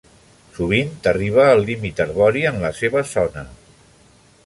Sovint arriba al límit arbori en la seva zona.